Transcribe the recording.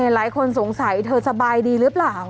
หลายคนสงสัยเธอสบายดีหรือเปล่า